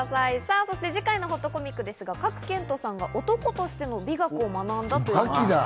そして次回のほっとコミックですが、賀来賢人さんが男としての美学を学んだという。